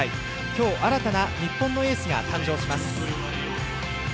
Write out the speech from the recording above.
きょう新たな日本のエースが誕生します。